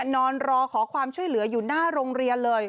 นอนรอขอความช่วยเหลืออยู่หน้าโรงเรียนเลย